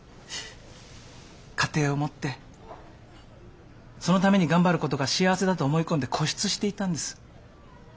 家庭を持ってそのために頑張ることが幸せだと思い込んで固執していたんです。